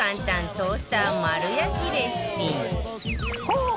トースター丸焼きレシピ